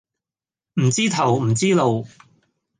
唔知頭唔知路